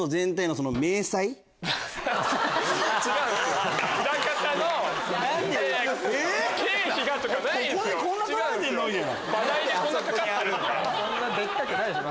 そんなでかくないでしょ